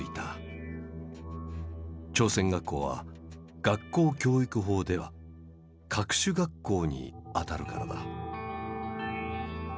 朝鮮学校は学校教育法では「各種学校」にあたるからだ。